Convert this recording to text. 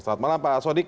selamat malam pak sodik